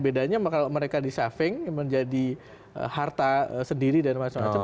bedanya kalau mereka disaving menjadi harta sendiri dan macam macam